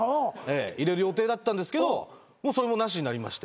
入れる予定だったんですけどそれもなしになりまして。